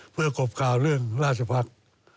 เพื่อกบข่าวเรื่องราชภักษ์